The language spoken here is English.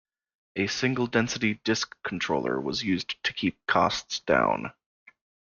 A single-density disk controller was used to keep costs down.